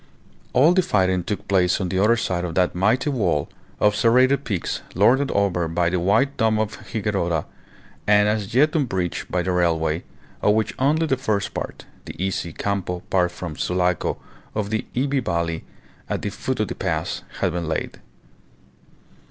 All the fighting took place on the other side of that mighty wall of serrated peaks lorded over by the white dome of Higuerota and as yet unbreached by the railway, of which only the first part, the easy Campo part from Sulaco to the Ivie Valley at the foot of the pass, had been laid.